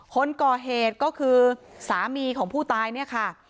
คนก่อเหตุก็คือสามีของผู้ตายเนี่ยค่ะ